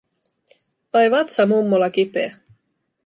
Vai vatsa mummolla kipeä?